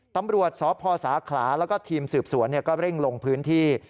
ตำรวจสศขและทีมสืบสวนก็เร่งลงพื้นที่